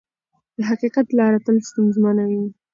د حقیقت لاره تل ستونزمنه وي.